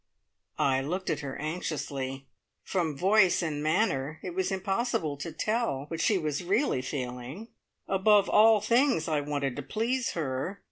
I looked at her anxiously. From voice and manner it was impossible to tell what she was really feeling. Above all things I wanted to please her.